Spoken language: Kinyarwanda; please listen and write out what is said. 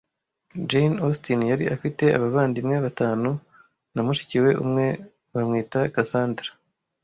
Jayne Austin yari afite abavandimwe batanu na mushiki we umwe bamwita Cassandra